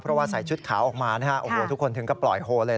เพราะว่าใส่ชุดขาวออกมานะฮะโอ้โหทุกคนถึงก็ปล่อยโฮเลย